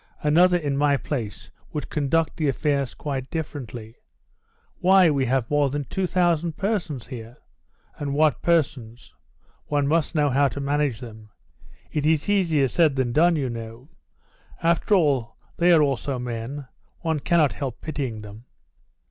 Another in my place would conduct the affairs quite differently. Why, we have more than 2,000 persons here. And what persons! One must know how to manage them. It is easier said than done, you know. After all, they are also men; one cannot help pitying them."